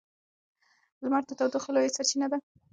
لمر د تودوخې لویه سرچینه ده.